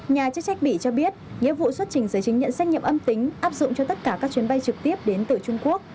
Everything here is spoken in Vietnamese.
nhà chức trách bỉ cho biết nghĩa vụ xuất trình giấy chứng nhận xét nghiệm âm tính áp dụng cho tất cả các chuyến bay trực tiếp đến từ trung quốc